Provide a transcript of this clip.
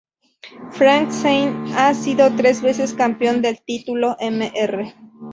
Frank Zane ha sido tres veces campeón del título Mr.